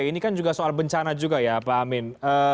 ini kan juga soal bencana juga ya pak amin